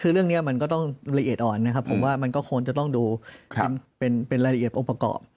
คือเรื่องนี้มันก็ต้องละเอียดอ่อนนะครับผมว่ามันก็ควรจะต้องดูเป็นรายละเอียดองค์ประกอบ